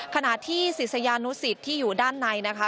ขณะที่ศิษยานุสิตที่อยู่ด้านในนะคะ